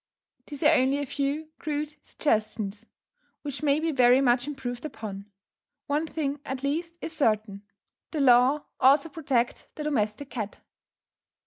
These are only a few crude suggestions, which may be very much improved upon; one thing at least is certain, the law ought to protect the domestic cat.